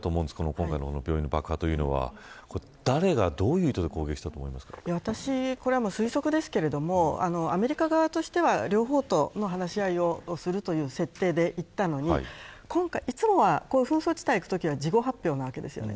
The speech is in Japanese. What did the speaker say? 今回の病院の爆破というのは誰がどういう意図でこれは推測ですけれどもアメリカ側としては両方と話し合いをするという設定でいったのにいつもは、紛争地帯に行くときは事後発表ですよね。